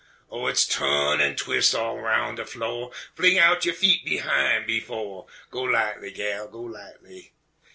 Oh, hit's tu'n an' twis' all roun' de flo', Fling out yo' feet behime, befo', Go lightly, gal, go lightly!